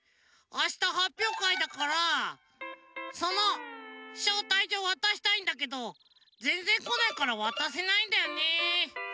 あしたはっぴょうかいだからそのしょうたいじょうわたしたいんだけどぜんぜんこないからわたせないんだよね。